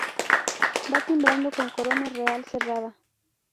Va timbrado con Corona Real cerrada.